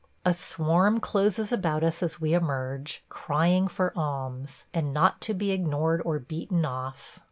A swarm closes about us as we emerge, crying for alms, and not to be ignored or beaten off.